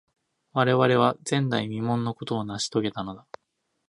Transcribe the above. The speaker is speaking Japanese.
我々は、前代未聞のことを成し遂げたのだ。